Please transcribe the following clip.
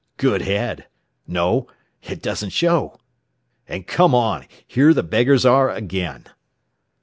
"Good head! No; it doesn't show. "And come on! Here the beggars are again!"